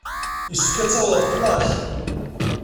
Yessefk ad taweḍ ɣef ttnac.